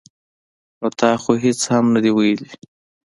ـ نو تا خو هېڅ هم نه دي ویلي.